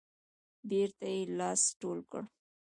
بیرته یې لاس ټول کړ.